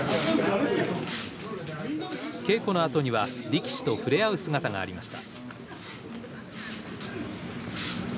稽古のあとには力士と触れ合う姿がありました。